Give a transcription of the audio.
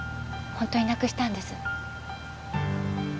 本当になくしたんです。